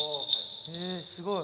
へえすごい。